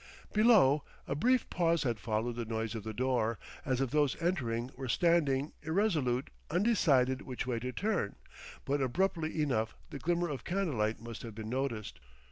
Below, a brief pause had followed the noise of the door, as if those entering were standing, irresolute, undecided which way to turn; but abruptly enough the glimmer of candlelight must have been noticed.